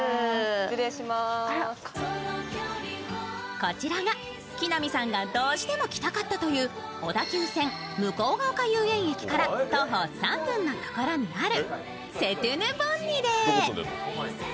こちらが、木南さんがどうもして来たかったという小田急線向ヶ丘遊園駅から徒歩３分のところにあるセテュヌ・ボンニデー。